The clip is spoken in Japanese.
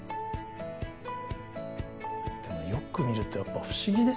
でもよく見るとやっぱ不思議ですよね。